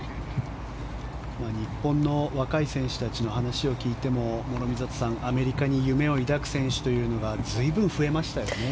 日本の若い選手たちの話を聞いても諸見里さん、アメリカに夢を抱く選手というのが随分増えましたよね。